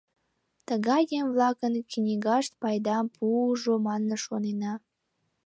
Тыгай еҥ-влакын книгашт пайдам пуыжо манын шонена.